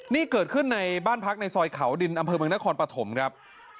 นี่เกิดขึ้นในบ้านพักในซอยเขาดินอำเภอเมืองนครปฐมครับ